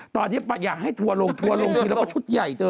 ตอนนี้อยากให้ทัวร์ลงทัวร์ลงทีแล้วก็ชุดใหญ่เธอ